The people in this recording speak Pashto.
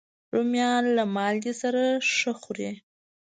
رومیان له مالګې سره ښه خوري